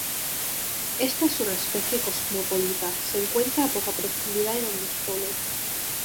Esta es una especie cosmopolita, se encuentra a poca profundidad en ambos polos.